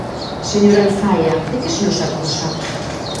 Señor Alfaia, ¿de que se nos acusa?